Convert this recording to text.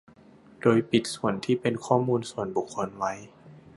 โดยปิดส่วนที่เป็นข้อมูลส่วนบุคคลไว้